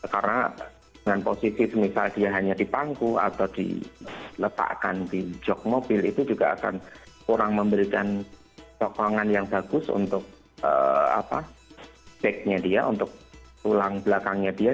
karena dengan posisi misalnya dia hanya di pangku atau diletakkan di jok mobil itu juga akan kurang memberikan sokongan yang bagus untuk backnya dia untuk tulang belakangnya dia